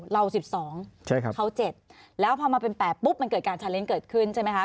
เรา๑๒เขา๗แล้วพอมาเป็น๘ปุ๊บมันเกิดการชาเลนส์เกิดขึ้นใช่ไหมคะ